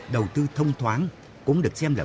đầu tư thông thoáng cũng được xem là